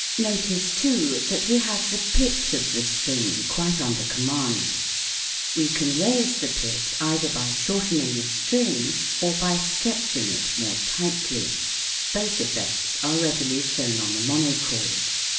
Notice too that we have the pitch of the string quite under command. We can raise the pitch either by shortening the string or SOUND IN MUSIC 43 by stretching it more tightly ; both effects are readily shown on the monochord.